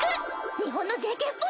日本のＪＫっぽい？